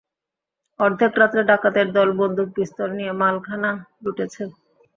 অর্ধেক রাত্রে ডাকাতের দল বন্দুক-পিস্তল নিয়ে মালখানা লুটেছে।